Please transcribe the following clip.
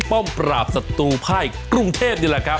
เป้าะปราบศตุภายกรุงเทพห์นี่แหละครับ